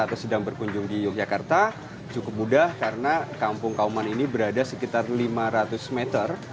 atau sedang berkunjung di yogyakarta cukup mudah karena kampung kauman ini berada sekitar lima ratus meter